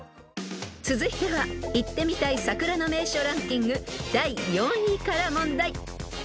［続いては行ってみたい桜の名所ランキング第４位から問題］